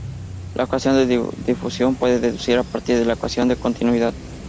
La ecuación de difusión puede deducirse a partir de la ecuación de continuidad.